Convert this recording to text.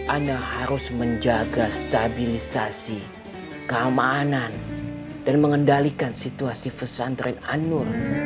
ana harus menjaga stabilisasi keamanan dan mengendalikan situasi pesantren anur